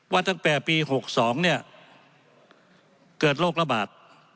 ตั้งแต่ปี๖๒เนี่ยเกิดโรคระบาด